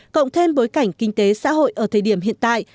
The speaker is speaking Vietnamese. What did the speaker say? cộng thêm bối cảnh kinh tế xã hội ở thời điểm hiện tại